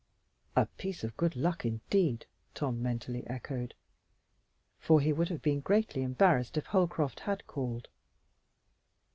"A piece of good luck indeed!" Tom mentally echoed, for he would have been greatly embarrassed if Holcroft had called.